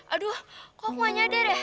aduh kok aku gak nyadar ya